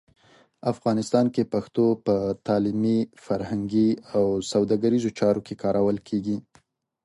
افغانستان کې پښتو په تعلیمي، فرهنګي او سوداګریزو چارو کې کارول کېږي.